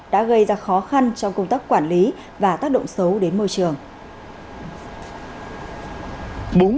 đã gây ra khó khăn trong công tác quản lý và tác động xấu đến môi trường